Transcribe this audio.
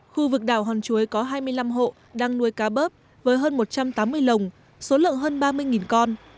khu vực đảo hòn chuối có hai mươi năm hộ đang nuôi cá bớp với hơn một trăm tám mươi lồng số lượng hơn ba mươi con